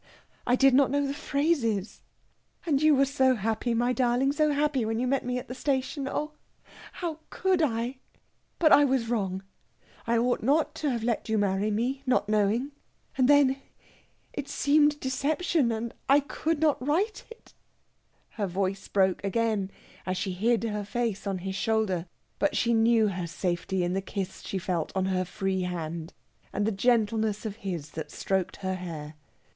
I did not know the phrases and you were so happy, my darling so happy when you met me at the station! Oh, how could I? But I was wrong. I ought not to have let you marry me, not knowing. And then ... it seemed deception, and I could not right it...." Her voice broke again, as she hid her face on his shoulder; but she knew her safety in the kiss she felt on her free hand, and the gentleness of his that stroked her hair.